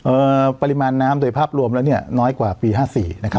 ปริมาณน้ำโดยภาพรวมแล้วเนี่ยน้อยกว่าปีห้าสี่นะครับ